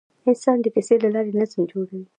انسان د کیسې له لارې نظم جوړوي.